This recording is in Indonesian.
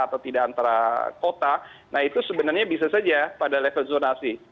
atau tidak antara kota nah itu sebenarnya bisa saja pada level zonasi